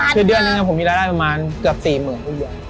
คือเดือนหนึ่งนะผมมีรายละประมาณเกือบ๔หมื่นทุกเดือน